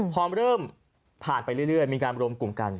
พอเริ่มผ่านไปเรื่อยมีการรวมกลุ่มกัน